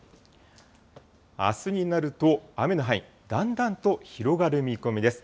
あすになると、雨の範囲、だんだんと広がる見込みです。